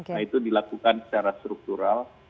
nah itu dilakukan secara struktural